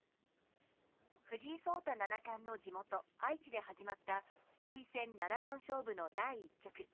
藤井聡太七冠の地元愛知で始まった王位戦七番勝負の第１局。